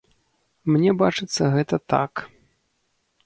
Мне бачыцца гэта так.